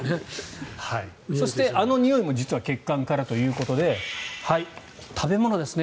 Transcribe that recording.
そして、あのにおいも実は血管からということで食べ物ですね。